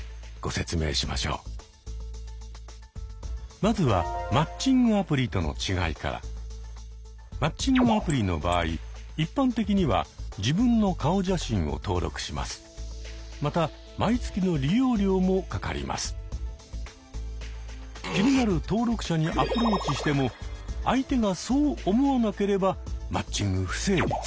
まずはマッチングアプリの場合一般的には気になる登録者にアプローチしても相手がそうは思わなければマッチング不成立。